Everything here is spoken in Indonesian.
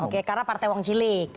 oke karena partai wong cilik